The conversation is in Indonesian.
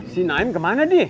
si naim kemana di